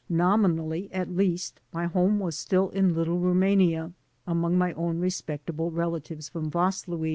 Nominally, at least, my home was still in Little Rumania among my own respectable rela tives from Vaslui.